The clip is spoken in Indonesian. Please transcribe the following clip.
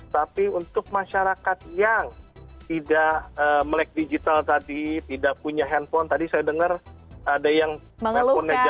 tapi untuk masyarakat yang tidak melek digital tadi tidak punya handphone tadi saya dengar ada yang telepon negatif